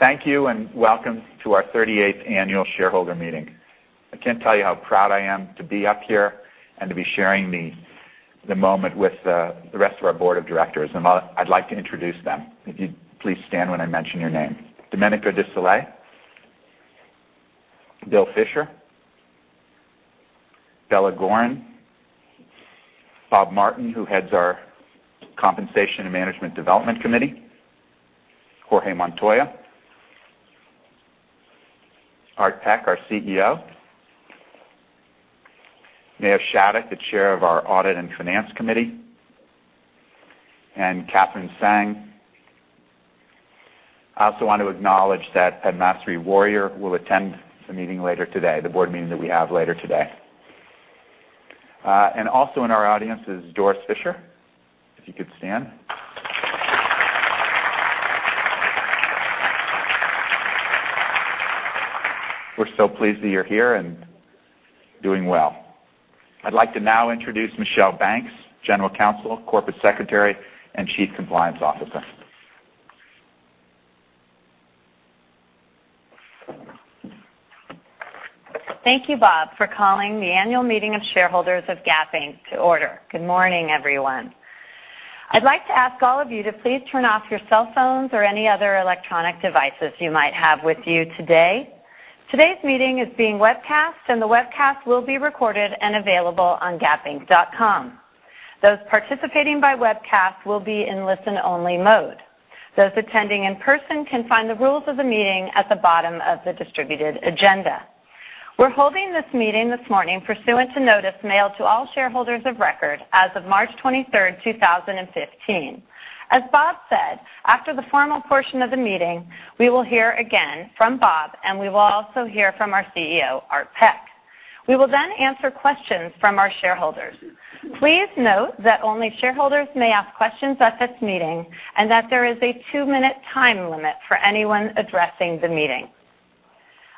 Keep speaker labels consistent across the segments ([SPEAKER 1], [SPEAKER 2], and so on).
[SPEAKER 1] Thank you, welcome to our 38th Annual Meeting of Shareholders. I can't tell you how proud I am to be up here and to be sharing the moment with the rest of our board of directors. I'd like to introduce them. If you'd please stand when I mention your name. Domenico De Sole. Bill Fisher. Bella Goren. Bob Martin, who heads our Compensation and Management Development Committee. Jorge Montoya. Art Peck, our CEO. Mayo Shattuck, the Chair of our Audit and Finance Committee. Katherine Tsang. I also want to acknowledge that Padmasree Warrior will attend the meeting later today, the board meeting that we have later today. Also in our audience is Doris Fisher. If you could stand. We're so pleased that you're here and doing well. I'd like to now introduce Michelle Banks, General Counsel, Corporate Secretary, and Chief Compliance Officer.
[SPEAKER 2] Thank you, Bob, for calling the Annual Meeting of Shareholders of Gap Inc. to order. Good morning, everyone. I'd like to ask all of you to please turn off your cell phones or any other electronic devices you might have with you today. Today's meeting is being webcast, and the webcast will be recorded and available on gapinc.com. Those participating by webcast will be in listen-only mode. Those attending in person can find the rules of the meeting at the bottom of the distributed agenda. We're holding this meeting this morning pursuant to notice mailed to all shareholders of record as of March 23rd, 2015. As Bob said, after the formal portion of the meeting, we will hear again from Bob, and we will also hear from our CEO, Art Peck. We will answer questions from our shareholders. Please note that only shareholders may ask questions at this meeting and that there is a two-minute time limit for anyone addressing the meeting.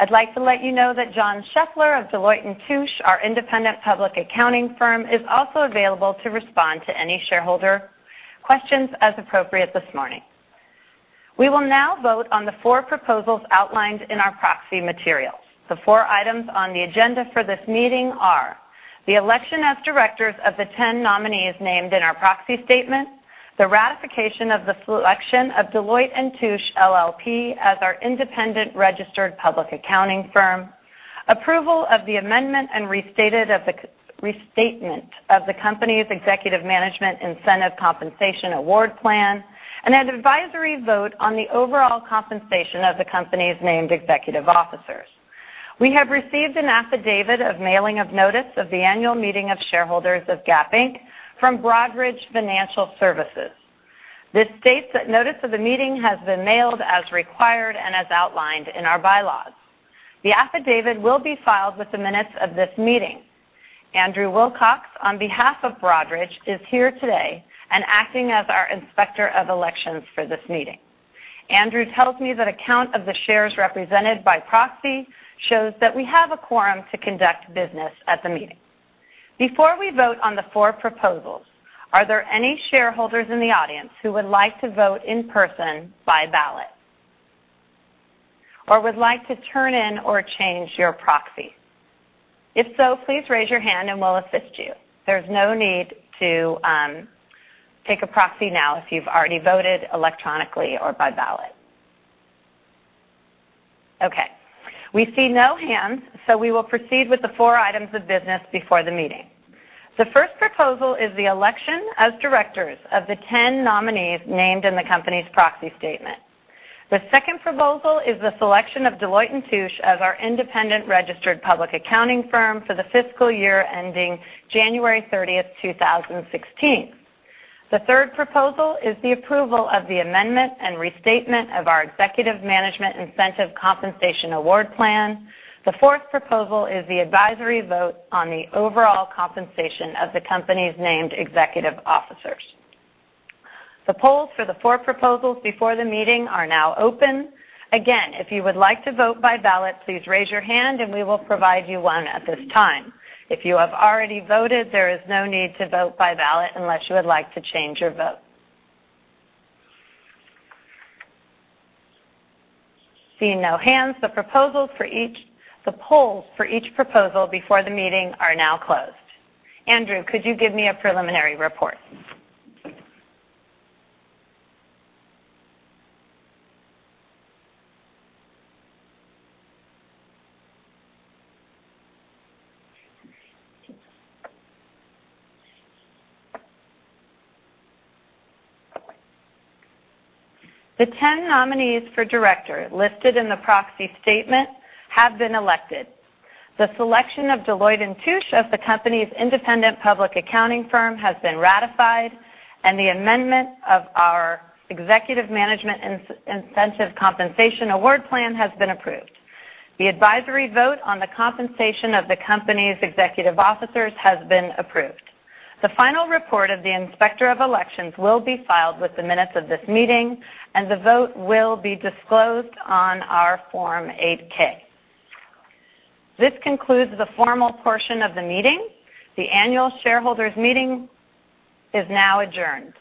[SPEAKER 2] I'd like to let you know that John Scheffler of Deloitte & Touche, our independent public accounting firm, is also available to respond to any shareholder questions as appropriate this morning. We will now vote on the four proposals outlined in our proxy materials. The four items on the agenda for this meeting are the election as directors of the 10 nominees named in our proxy statement, the ratification of the selection of Deloitte & Touche LLP as our independent registered public accounting firm, approval of the amendment and restatement of the company's executive management incentive compensation award plan, and an advisory vote on the overall compensation of the company's named executive officers. We have received an affidavit of mailing of notice of the Annual Meeting of Shareholders of Gap Inc. from Broadridge Financial Solutions. This states that notice of the meeting has been mailed as required and as outlined in our bylaws. The affidavit will be filed with the minutes of this meeting. Andrew Wilcox, on behalf of Broadridge, is here today and acting as our Inspector of Elections for this meeting. Andrew tells me that a count of the shares represented by proxy shows that we have a quorum to conduct business at the meeting. Before we vote on the four proposals, are there any shareholders in the audience who would like to vote in person by ballot or would like to turn in or change your proxy? If so, please raise your hand and we'll assist you. There's no need to take a proxy now if you've already voted electronically or by ballot. Okay. We see no hands, we will proceed with the four items of business before the meeting. The first proposal is the election as directors of the 10 nominees named in the company's proxy statement. The second proposal is the selection of Deloitte & Touche as our independent registered public accounting firm for the fiscal year ending January 30th, 2016. The third proposal is the approval of the amendment and restatement of our executive management incentive compensation award plan. The fourth proposal is the advisory vote on the overall compensation of the company's named executive officers. The polls for the four proposals before the meeting are now open. Again, if you would like to vote by ballot, please raise your hand and we will provide you one at this time. If you have already voted, there is no need to vote by ballot unless you would like to change your vote. Seeing no hands, the polls for each proposal before the meeting are now closed. Andrew, could you give me a preliminary report? The 10 nominees for director listed in the proxy statement have been elected. The selection of Deloitte & Touche of the company's independent public accounting firm has been ratified, and the amendment of our executive management incentive compensation award plan has been approved. The advisory vote on the compensation of the company's executive officers has been approved. The final report of the Inspector of Elections will be filed with the minutes of this meeting, and the vote will be disclosed on our Form 8-K. This concludes the formal portion of the meeting. The annual shareholders meeting is now adjourned.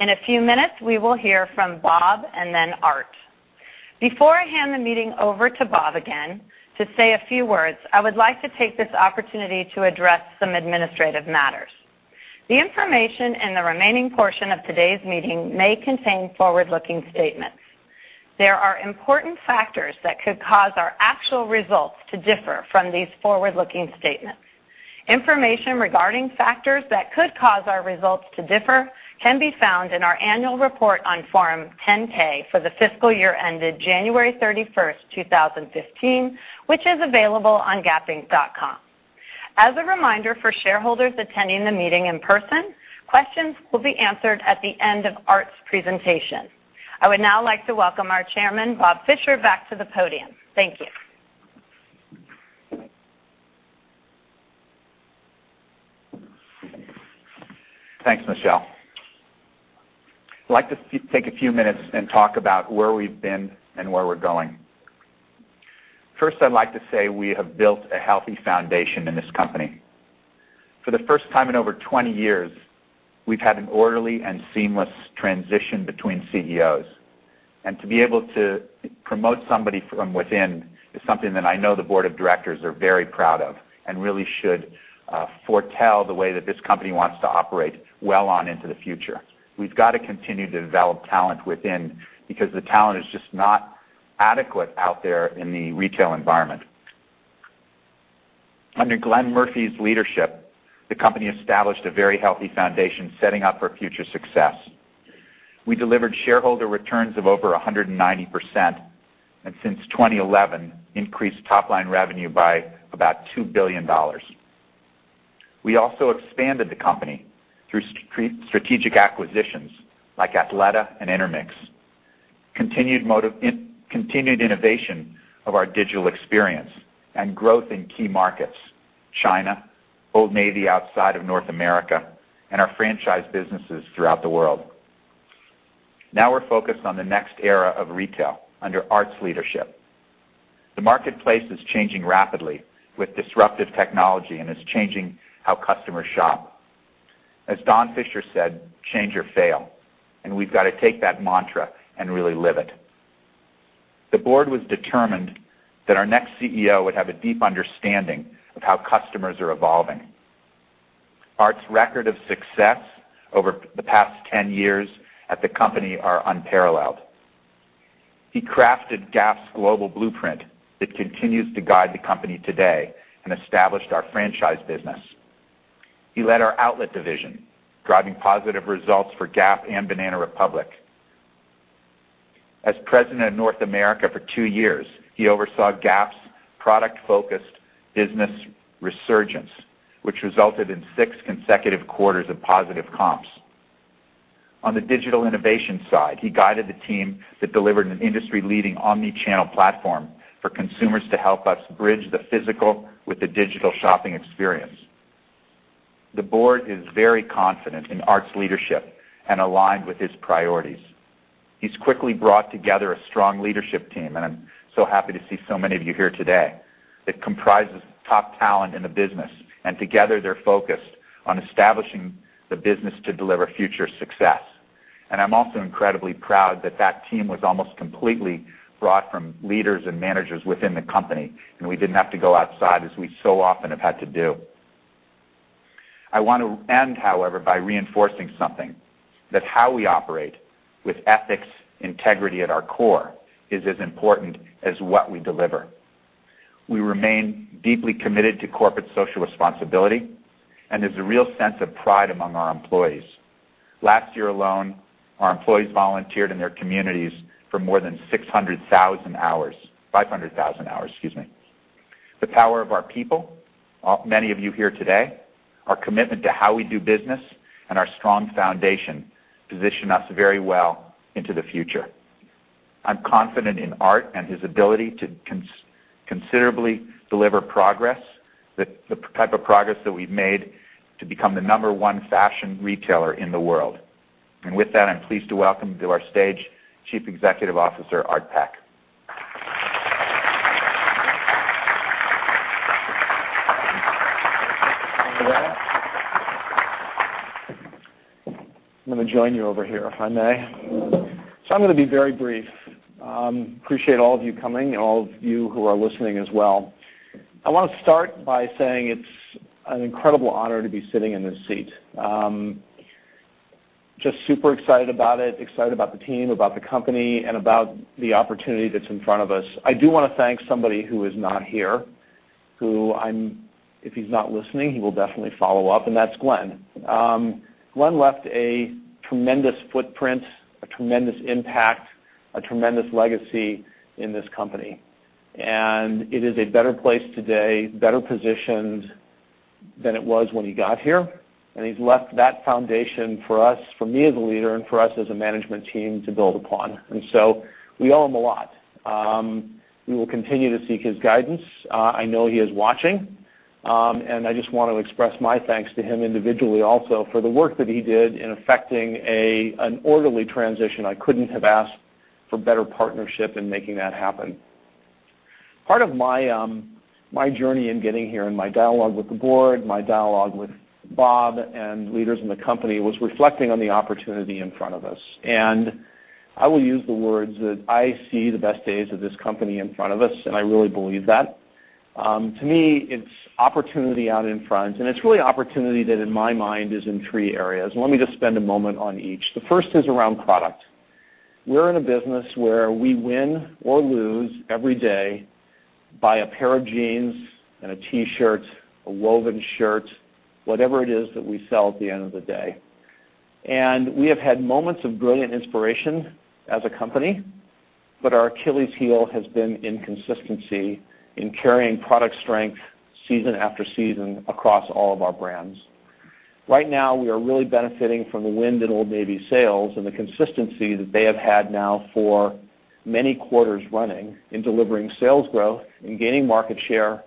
[SPEAKER 2] In a few minutes, we will hear from Bob and then Art. Before I hand the meeting over to Bob again to say a few words, I would like to take this opportunity to address some administrative matters. The information in the remaining portion of today's meeting may contain forward-looking statements. There are important factors that could cause our actual results to differ from these forward-looking statements. Information regarding factors that could cause our results to differ can be found in our annual report on Form 10-K for the fiscal year ended January 31st, 2015, which is available on gapinc.com. As a reminder for shareholders attending the meeting in person, questions will be answered at the end of Art's presentation. I would now like to welcome our Chairman, Bob Fisher, back to the podium. Thank you.
[SPEAKER 1] Thanks, Michelle. I'd like to take a few minutes and talk about where we've been and where we're going. First, I'd like to say we have built a healthy foundation in this company. For the first time in over 20 years, we've had an orderly and seamless transition between CEOs, and to be able to promote somebody from within is something that I know the board of directors are very proud of and really should foretell the way that this company wants to operate well on into the future. We've got to continue to develop talent within, because the talent is just not adequate out there in the retail environment. Under Glenn Murphy's leadership, the company established a very healthy foundation, setting up for future success. We delivered shareholder returns of over 190%, and since 2011, increased top-line revenue by about $2 billion. We also expanded the company through strategic acquisitions like Athleta and Intermix, continued innovation of our digital experience, and growth in key markets, China, Old Navy outside of North America, and our franchise businesses throughout the world. Now we're focused on the next era of retail under Art's leadership. The marketplace is changing rapidly with disruptive technology and is changing how customers shop. As Don Fisher said, "Change or fail," and we've got to take that mantra and really live it. The board was determined that our next CEO would have a deep understanding of how customers are evolving. Art's record of success over the past 10 years at the company are unparalleled. He crafted Gap's global blueprint that continues to guide the company today and established our franchise business. He led our outlet division, driving positive results for Gap and Banana Republic. As president of North America for two years, he oversaw Gap's product-focused business resurgence, which resulted in six consecutive quarters of positive comps. On the digital innovation side, he guided the team that delivered an industry-leading omni-channel platform for consumers to help us bridge the physical with the digital shopping experience. The board is very confident in Art's leadership and aligned with his priorities. He's quickly brought together a strong leadership team, and I'm so happy to see so many of you here today. It comprises top talent in the business, and together they're focused on establishing the business to deliver future success. I'm also incredibly proud that that team was almost completely brought from leaders and managers within the company, and we didn't have to go outside as we so often have had to do. I want to end, however, by reinforcing something. That how we operate with ethics, integrity at our core is as important as what we deliver. We remain deeply committed to corporate social responsibility and there's a real sense of pride among our employees. Last year alone, our employees volunteered in their communities for more than 600,000 hours. 500,000 hours, excuse me. The power of our people, many of you here today, our commitment to how we do business, and our strong foundation position us very well into the future. I'm confident in Art and his ability to considerably deliver progress, the type of progress that we've made to become the number one fashion retailer in the world. With that, I'm pleased to welcome to our stage Chief Executive Officer, Art Peck.
[SPEAKER 3] Loretta. I'm going to join you over here, if I may. I'm going to be very brief. Appreciate all of you coming and all of you who are listening as well. I want to start by saying it's an incredible honor to be sitting in this seat. Just super excited about it, excited about the team, about the company, and about the opportunity that's in front of us. I do want to thank somebody who is not here, who if he's not listening, he will definitely follow up, and that's Glenn. Glenn left a tremendous footprint, a tremendous impact, a tremendous legacy in this company, and it is a better place today, better positioned than it was when he got here. He's left that foundation for us, for me as a leader, and for us as a management team to build upon. We owe him a lot. We will continue to seek his guidance. I know he is watching. I just want to express my thanks to him individually also for the work that he did in effecting an orderly transition. I couldn't have asked for better partnership in making that happen. Part of my journey in getting here and my dialogue with the board, my dialogue with Bob and leaders in the company, was reflecting on the opportunity in front of us. I will use the words that I see the best days of this company in front of us, and I really believe that. To me, it's opportunity out in front, and it's really opportunity that, in my mind, is in three areas. Let me just spend a moment on each. The first is around product. We're in a business where we win or lose every day by a pair of jeans and a T-shirt, a woven shirt, whatever it is that we sell at the end of the day. We have had moments of brilliant inspiration as a company, but our Achilles' heel has been inconsistency in carrying product strength season after season across all of our brands. Right now, we are really benefiting from the wind in Old Navy sales and the consistency that they have had now for many quarters running in delivering sales growth and gaining market share,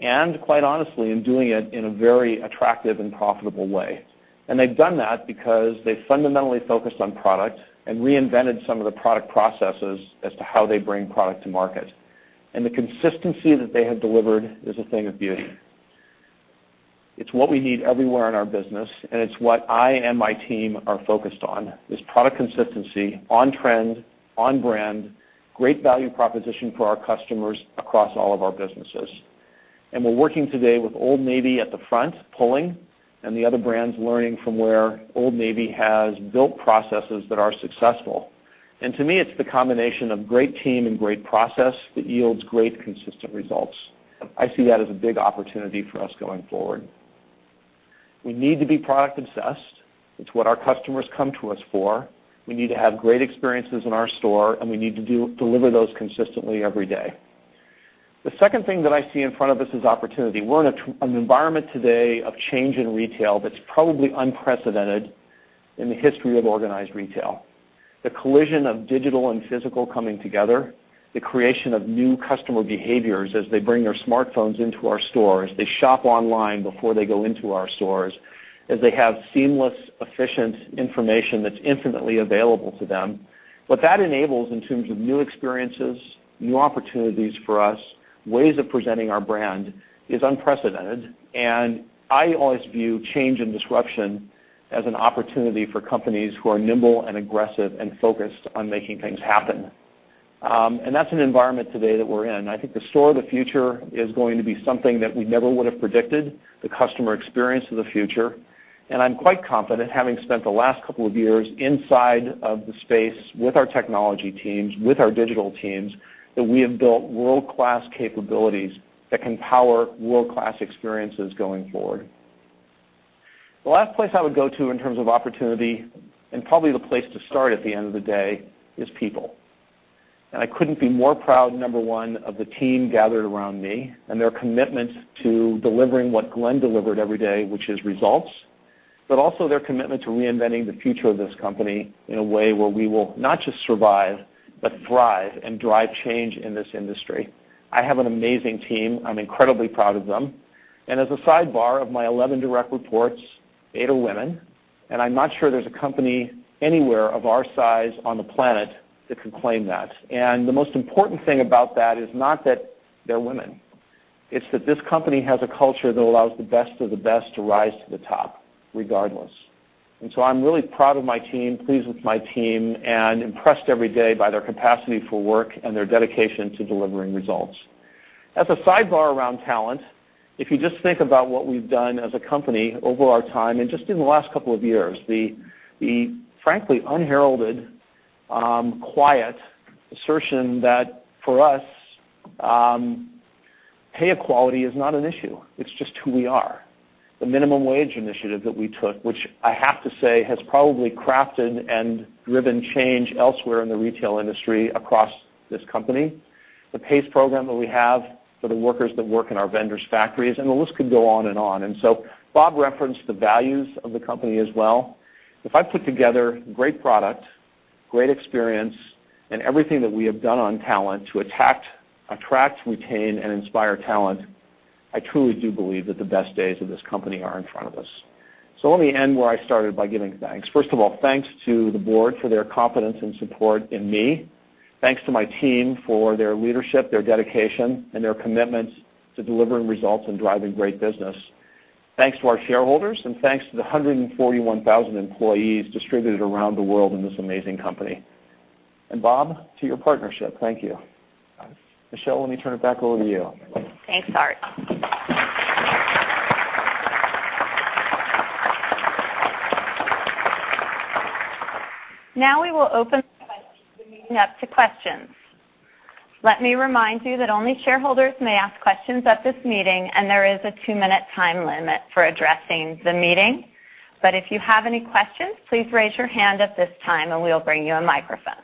[SPEAKER 3] and quite honestly, in doing it in a very attractive and profitable way. They've done that because they fundamentally focused on product and reinvented some of the product processes as to how they bring product to market. The consistency that they have delivered is a thing of beauty. It's what we need everywhere in our business, and it's what I and my team are focused on is product consistency, on trend, on brand, great value proposition for our customers across all of our businesses. We're working today with Old Navy at the front pulling and the other brands learning from where Old Navy has built processes that are successful. To me, it's the combination of great team and great process that yields great, consistent results. I see that as a big opportunity for us going forward. We need to be product-obsessed. It's what our customers come to us for. We need to have great experiences in our store, and we need to deliver those consistently every day. The second thing that I see in front of us is opportunity. We're in an environment today of change in retail that's probably unprecedented in the history of organized retail. The collision of digital and physical coming together, the creation of new customer behaviors as they bring their smartphones into our stores, they shop online before they go into our stores, as they have seamless, efficient information that's infinitely available to them. What that enables in terms of new experiences, new opportunities for us, ways of presenting our brand, is unprecedented. I always view change and disruption as an opportunity for companies who are nimble and aggressive and focused on making things happen. That's an environment today that we're in. I think the store of the future is going to be something that we never would have predicted, the customer experience of the future. I'm quite confident, having spent the last couple of years inside of the space with our technology teams, with our digital teams, that we have built world-class capabilities that can power world-class experiences going forward. The last place I would go to in terms of opportunity, and probably the place to start at the end of the day, is people. I couldn't be more proud, number one, of the team gathered around me and their commitment to delivering what Glenn delivered every day, which is results. Also their commitment to reinventing the future of this company in a way where we will not just survive, but thrive and drive change in this industry. I have an amazing team. I'm incredibly proud of them. As a sidebar, of my 11 direct reports, 8 are women, and I'm not sure there's a company anywhere of our size on the planet that can claim that. The most important thing about that is not that they're women. It's that this company has a culture that allows the best of the best to rise to the top regardless. I'm really proud of my team, pleased with my team, and impressed every day by their capacity for work and their dedication to delivering results. As a sidebar around talent, if you just think about what we've done as a company over our time and just in the last couple of years, the frankly unheralded, quiet assertion that for us, pay equality is not an issue. It's just who we are. The minimum wage initiative that we took, which I have to say, has probably crafted and driven change elsewhere in the retail industry across this company. The PACE program that we have for the workers that work in our vendors' factories, the list could go on and on. Bob referenced the values of the company as well. If I put together great product, great experience, and everything that we have done on talent to attract, retain, and inspire talent, I truly do believe that the best days of this company are in front of us. Let me end where I started by giving thanks. First of all, thanks to the board for their confidence and support in me. Thanks to my team for their leadership, their dedication, and their commitment to delivering results and driving great business. Thanks to our shareholders, thanks to the 141,000 employees distributed around the world in this amazing company. Bob, to your partnership, thank you. Michelle, let me turn it back over to you.
[SPEAKER 2] Thanks, Art. We will open the meeting up to questions. Let me remind you that only shareholders may ask questions at this meeting, and there is a two-minute time limit for addressing the meeting. If you have any questions, please raise your hand at this time and we will bring you a microphone.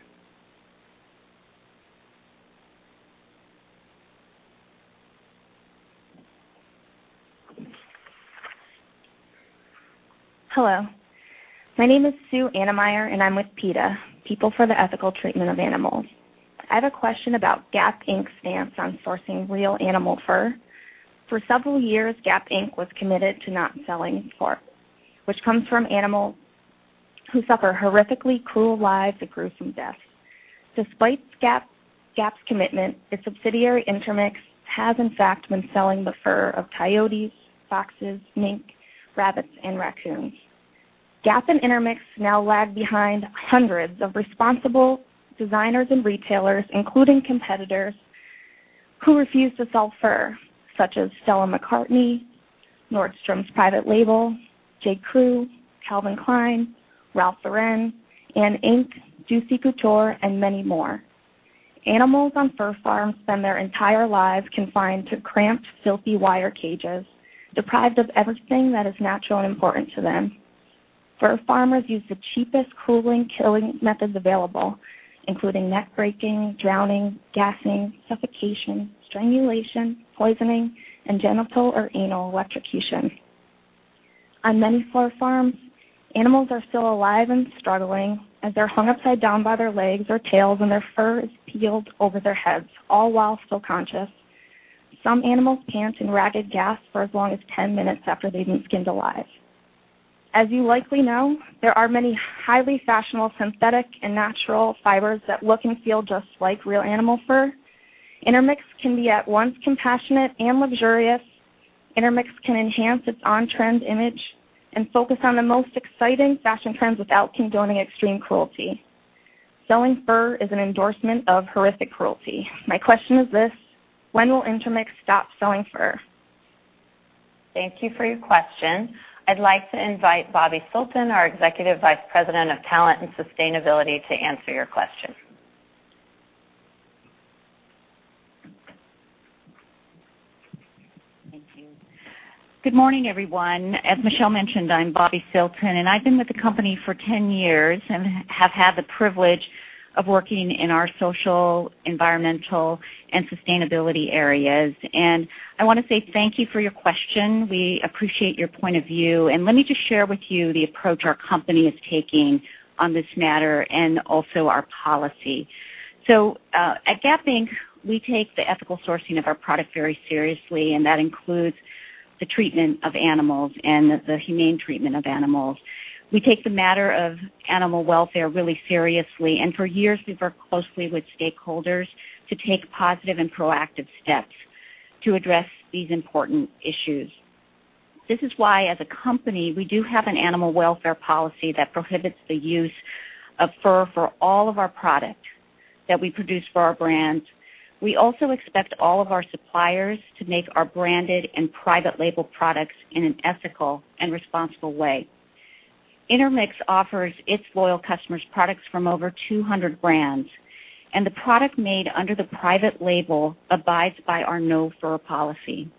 [SPEAKER 4] Hello. My name is Sue Annemeyer, and I'm with PETA, People for the Ethical Treatment of Animals. I have a question about Gap Inc.'s stance on sourcing real animal fur. For several years, Gap Inc. was committed to not selling fur, which comes from animals who suffer horrifically cruel lives and gruesome deaths. Despite Gap's commitment, its subsidiary, Intermix, has in fact been selling the fur of coyotes, foxes, mink, rabbits, and raccoons. Gap and Intermix now lag behind hundreds of responsible designers and retailers, including competitors, who refuse to sell fur, such as Stella McCartney, Nordstrom's private label, J.Crew, Calvin Klein, Ralph Lauren, H&M, Juicy Couture, and many more. Animals on fur farms spend their entire lives confined to cramped, filthy wire cages, deprived of everything that is natural and important to them. Fur farmers use the cheapest, cruelest killing methods available, including neck breaking, drowning, gassing, suffocation, strangulation, poisoning, and genital or anal electrocution. On many fur farms, animals are still alive and struggling as they're hung upside down by their legs or tails and their fur is peeled over their heads, all while still conscious. Some animals pant and ragged gasp for as long as 10 minutes after they've been skinned alive. As you likely know, there are many highly fashionable synthetic and natural fibers that look and feel just like real animal fur. Intermix can be at once compassionate and luxurious. Intermix can enhance its on-trend image and focus on the most exciting fashion trends without condoning extreme cruelty. Selling fur is an endorsement of horrific cruelty. My question is this: when will Intermix stop selling fur?
[SPEAKER 2] Thank you for your question. I'd like to invite Bobbi Silten, our Executive Vice President of talent and sustainability, to answer your question.
[SPEAKER 5] Thank you. Good morning, everyone. As Michelle mentioned, I'm Bobbi Silten. I've been with the company for 10 years and have had the privilege of working in our social, environmental, and sustainability areas. I want to say thank you for your question. We appreciate your point of view. Let me just share with you the approach our company is taking on this matter and also our policy. At Gap Inc., we take the ethical sourcing of our product very seriously, and that includes the treatment of animals and the humane treatment of animals. We take the matter of animal welfare really seriously, and for years, we've worked closely with stakeholders to take positive and proactive steps to address these important issues. This is why, as a company, we do have an animal welfare policy that prohibits the use of fur for all of our product that we produce for our brands. We also expect all of our suppliers to make our branded and private label products in an ethical and responsible way. Intermix offers its loyal customers products from over 200 brands. The product made under the private label abides by our no fur policy.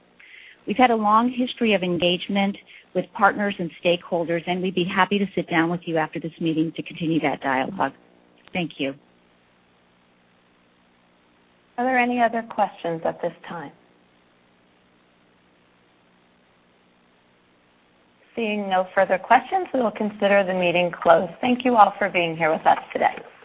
[SPEAKER 5] We've had a long history of engagement with partners and stakeholders. We'd be happy to sit down with you after this meeting to continue that dialogue. Thank you.
[SPEAKER 2] Are there any other questions at this time? Seeing no further questions, we will consider the meeting closed. Thank you all for being here with us today.